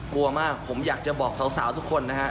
กลัวมากผมอยากจะบอกสาวทุกคนนะฮะ